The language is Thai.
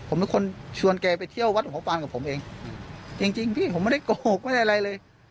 ผมเป็นคนชวนแกไปเที่ยววัดหัวปานกับผมเองจริงจริงพี่ผมไม่ได้โกหกไม่ได้อะไรเลย